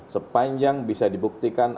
sepanjang bisa dibuktikan